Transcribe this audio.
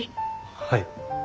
はい。